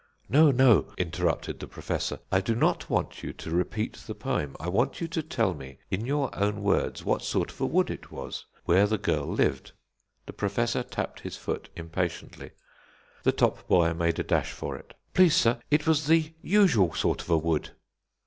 "No, no," interrupted the Professor; "I do not want you to repeat the poem. I want you to tell me in your own words what sort of a wood it was where the girl lived." The Professor tapped his foot impatiently; the top boy made a dash for it. "Please, sir, it was the usual sort of a wood."